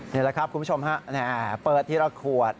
นี่แหละครับคุณผู้ชมฮะเปิดทีละขวด